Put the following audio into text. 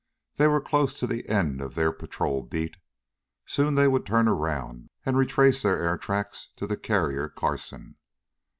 They were close to the end of their patrol "beat." Soon they would turn around and retrace their air tracks to the carrier Carson.